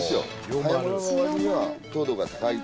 はい。